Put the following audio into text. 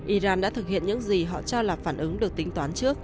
iran đã thực hiện những gì họ cho là phản ứng được tính toán trước